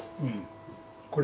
これ？